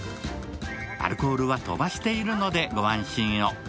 アルコールは飛ばしているのでご安心を。